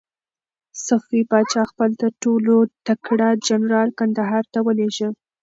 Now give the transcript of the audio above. صفوي پاچا خپل تر ټولو تکړه جنرال کندهار ته ولېږه.